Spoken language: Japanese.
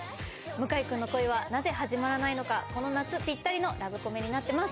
向井くんの恋はなぜ始まらないのか、この夏ぴったりのラブコメになっています。